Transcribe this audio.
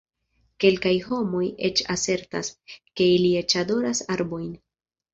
Kelkaj homoj eĉ asertas, ke ili eĉ adoras arbojn.